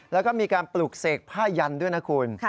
แล้วก็มีการปลูกเสกผ้ายันด้วยนะคุณ